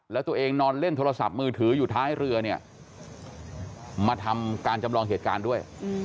แล้วตัวเองนอนเล่นโทรศัพท์มือถืออยู่ท้ายเรือเนี่ยมาทำการจำลองเหตุการณ์ด้วย